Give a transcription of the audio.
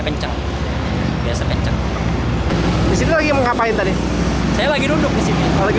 kenceng kenceng disini lagi mengapain tadi saya lagi duduk di sini